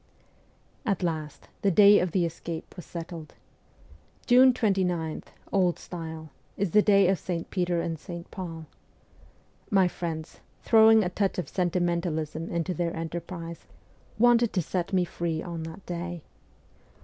At last the day of the escape was settled. June 29, old style, is the day of St. Peter and St. Paul. My friends, throwing a touch of sentimentalism into their enterprise, wanted to set me free on that day.